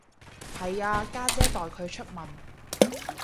係啊，家姐代佢出文